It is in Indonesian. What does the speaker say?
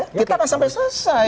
kita kan sampai selesai